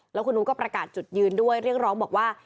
แล้วคุณนุ้งก็ประกาศจุดยืนด้วยเรียกร้องบอกว่า